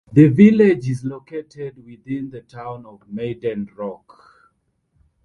The village is located within the Town of Maiden Rock.